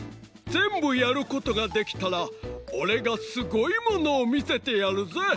ぜんぶやることができたらおれがすごいものをみせてやるぜ！